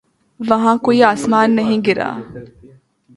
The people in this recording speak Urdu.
وہاں کوئی آسمان نہیں گرا۔